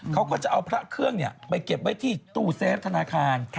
เขาก็จะเอาพระเครื่องไปเก็บไว้ที่ตู้เซฟธนาคาร